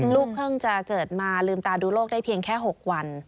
เพิ่งจะเกิดมาลืมตาดูโลกได้เพียงแค่๖วัน